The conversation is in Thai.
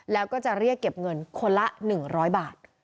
แล้วก็จะเรียกเก็บเงินคนละหนึ่งร้อยบาท